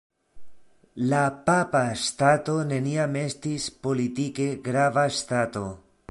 La Papa Ŝtato neniam estis politike grava ŝtato.